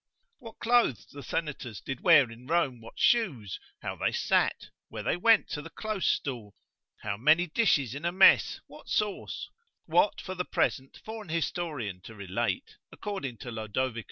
What clothes the senators did wear in Rome, what shoes, how they sat, where they went to the close stool, how many dishes in a mess, what sauce, which for the present for an historian to relate, according to Lodovic.